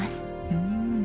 うん。